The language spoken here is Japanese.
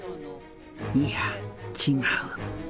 いや違う